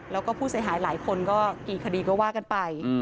แล้วก็ผู้เสียหายหลายคนก็กี่คดีก็ว่ากันไป